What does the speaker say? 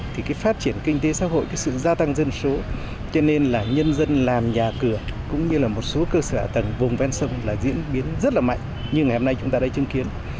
thì cái phát triển kinh tế xã hội cái sự gia tăng dân số cho nên là nhân dân làm nhà cửa cũng như là một số cơ sở ả tầng vùng ven sông là diễn biến rất là mạnh như ngày hôm nay chúng ta đã chứng kiến